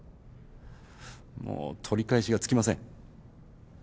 もう取り返しがつきません。